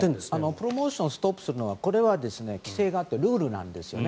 プロモーションがストップするのはこれは規制があってルールなんですよね。